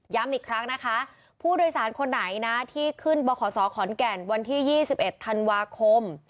อีกครั้งนะคะผู้โดยสารคนไหนนะที่ขึ้นบขศขอนแก่นวันที่๒๑ธันวาคม